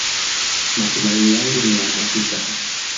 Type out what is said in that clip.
Matumaini yangu ni ya hakika,